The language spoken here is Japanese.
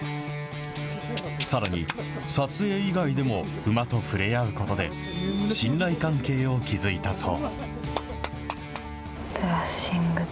さらに、撮影以外でも馬と触れ合うことで、信頼関係を築いたそう。